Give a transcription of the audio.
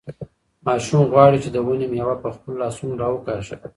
ماشوم غواړي چې د ونې مېوه په خپلو لاسونو راوکاږي.